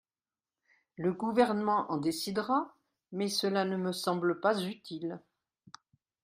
Le Gouvernement en décidera, mais cela ne me semble pas utile.